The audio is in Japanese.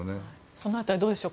その辺り、どうでしょう。